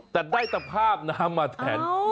แต่ได้ตภาพน้ำมาแทน